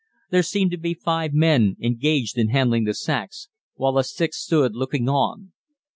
There seemed to be five men engaged in handling the sacks, while a sixth stood looking on.